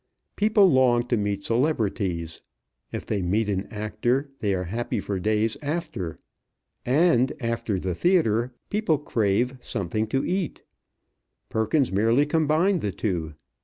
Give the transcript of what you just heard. People long to meet celebrities. If they meet an actor, they are happy for days after. And after the theatre people crave something to eat. Perkins merely combined the two.